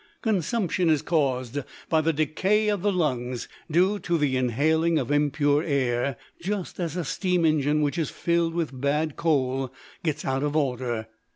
Consumption is caused by the decay of the lungs, due to the inhaling of impure air, just as a steam engine which is filled with bad coal gets out of order.